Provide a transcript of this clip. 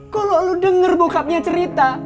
kalau lo denger bokapnya cerita